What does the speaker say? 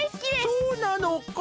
そうなのか。